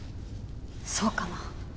そうかな。